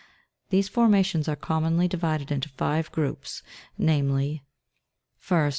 These formations are commonly divided into five groups, namely: 4. First.